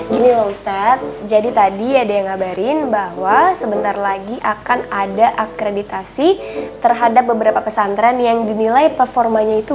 gini ustadz jadi tadi ada yang ngabarin bahwa sebentar lagi akan ada akreditasi terhadap beberapa pesantren yang akan dikumpulkan oleh ustadz di sana